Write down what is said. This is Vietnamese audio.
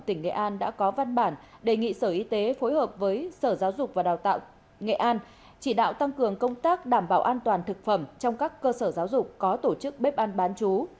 tỉnh nghệ an đã có văn bản đề nghị sở y tế phối hợp với sở giáo dục và đào tạo nghệ an chỉ đạo tăng cường công tác đảm bảo an toàn thực phẩm trong các cơ sở giáo dục có tổ chức bếp ăn bán chú